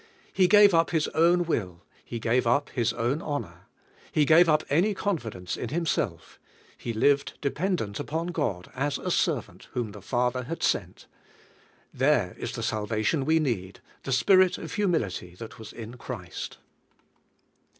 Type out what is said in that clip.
He gave up His own will; He gave up His own honor; He gave up any confidence in Himself; 94 ' CHRISrS HUMILITY OUR SALVATION He lived dependent upon God as a servant whom the Father had sent, There is the salvation we need, the Spirit of humility that was in Christ.